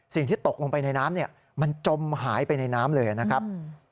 สิ่งที่ตกลงไปในน้ำมันจมหายไปในน้ำเลยนะครับ